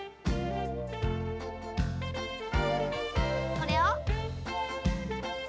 これを。